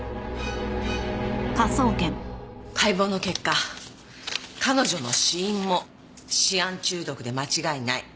解剖の結果彼女の死因もシアン中毒で間違いない。